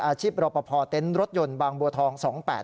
อาชีพรปภเต็นต์รถยนต์บางบัวทอง๒๘๙